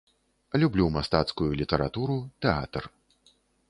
Люблю мастацкую літаратуру, тэатр.